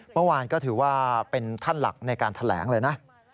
เมื่อวานก็ถือว่าเป็นท่านหลักในการแถลงเลยนะ